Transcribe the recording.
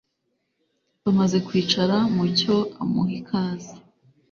bamaze kwicara mucyo amuha ikaze